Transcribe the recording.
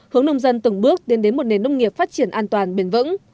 hướng nông dân từng bước tiến đến một nền nông nghiệp phát triển an toàn bền vững